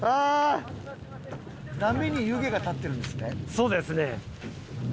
そうですね。